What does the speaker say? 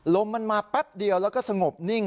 ลมมันมาแป๊บเดียวแล้วก็สงบนิ่ง